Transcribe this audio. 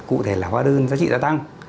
cụ thể là hóa đơn giá trị gia tăng